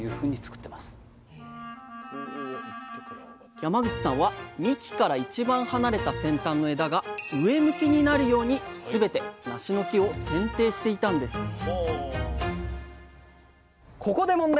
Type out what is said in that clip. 山口さんは幹から一番離れた先端の枝が上向きになるようにすべてなしの木をせんていしていたんですえ？